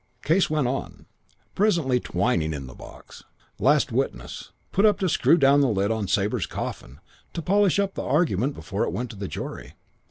"Case went on. Presently Twyning in the box. Last witness put up to screw down the lid on Sabre's coffin, to polish up the argument before it went to the jury.